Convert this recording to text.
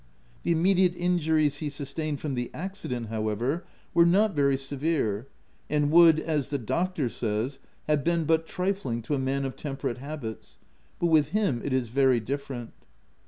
The immediate injuries he sustained from the accident, however, were not very se vere, and would, as the doctor says, have been but trifling to a man of temperate habits ; but with him it is very different.